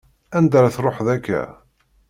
Anga ar ad tṛuḥeḍ akka?